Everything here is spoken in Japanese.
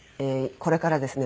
これからですね